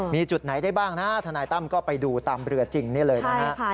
มีจุดไหนได้บ้างนะทนายตั้มก็ไปดูตามเรือจริงนี่เลยนะฮะ